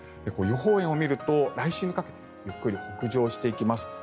予報円を見ると、来週からゆっくり北上していきます。